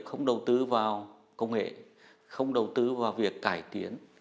không đầu tư vào công nghệ không đầu tư vào việc cải tiến